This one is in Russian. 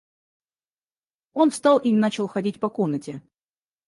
Он встал и начал ходить по комнате.